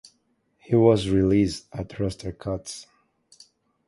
He was released at roster cuts.